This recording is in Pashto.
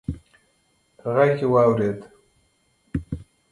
غږ يې واورېد: